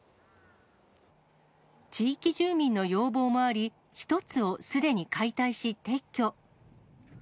地域住民の要望もあり、１つをすでに解体し、撤去。